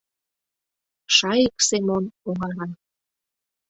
— Шайык Семон оҥара.